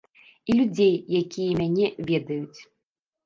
І людзей, якія мяне ведаюць.